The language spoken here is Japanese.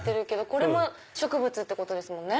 これも植物ってことですもんね。